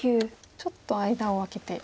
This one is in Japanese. ちょっと間を空けて。